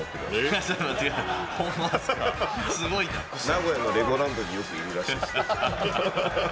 名古屋のレゴランドによくいるらしいです。